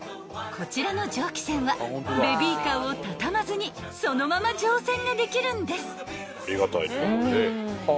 こちらの蒸気船はベビーカーを畳まずにそのまま乗船ができるんです］